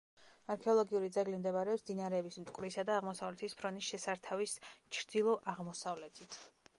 არქეოლოგიური ძეგლი მდებარეობს მდინარეების მტკვრისა და აღმოსავლეთის ფრონის შესართავის ჩრდილო-აღმოსავლეთით.